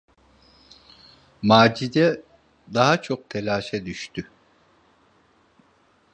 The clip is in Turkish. Macide daha çok telaşa düştü: